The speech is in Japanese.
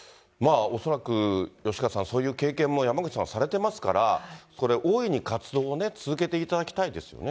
恐らく、吉川さん、そういう経験も山口さんはされてますから、これ、大いに活動を続けていただきたいですよね。